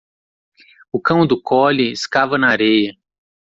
O cão do Collie escava na areia.